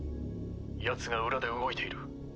ヤツが裏で動いている。